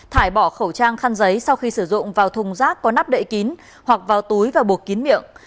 thải bỏ khẩu trang khăn giấy sau khi sử dụng vào thùng rác có nắp đậy kín hoặc vào túi và bột kín miệng